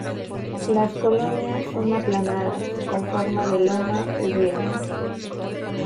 Las colonias son aplanadas, con forma de loma o yelmo.